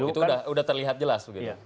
itu sudah terlihat jelas